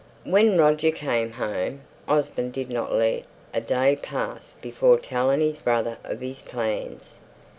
When Roger came home Osborne did not let a day pass before telling his brother of his plans.